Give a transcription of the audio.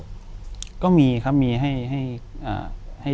อยู่ที่แม่ศรีวิรัยิลครับ